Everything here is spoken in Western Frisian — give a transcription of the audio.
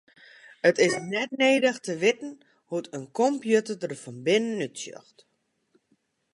It is net nedich te witten hoe't in kompjûter der fan binnen útsjocht.